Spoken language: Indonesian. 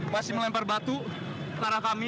masih melempar batu ke arah kami